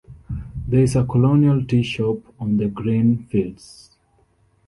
There is a colonial tea shop on the green fields.